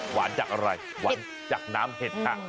หวานจากอะไรหวานจากน้ำเห็ดค่ะ